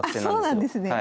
そうなんですね。